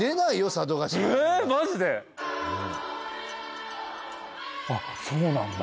佐渡島なんかえーマジであっそうなんだ